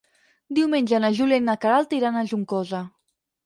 Diumenge na Júlia i na Queralt iran a Juncosa.